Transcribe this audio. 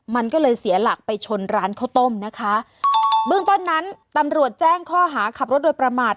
มันก็เลยเสียหลักไปชนร้านข้าวต้มนะคะเบื้องต้นนั้นตำรวจแจ้งข้อหาขับรถโดยประมาท